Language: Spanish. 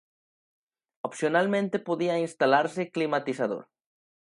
Opcionalmente podía instalarse climatizador.